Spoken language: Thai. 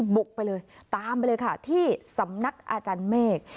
บุกไปเลยตามไปเลยค่ะที่สำนักอาจารย์เมฆ